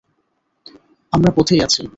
আমরা পথেই আছি।